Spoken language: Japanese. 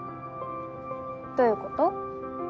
どういうこと？